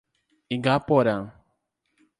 Igaporã